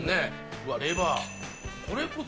うわっ、レバー。